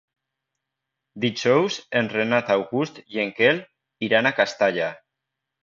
Dijous en Renat August i en Quel iran a Castalla.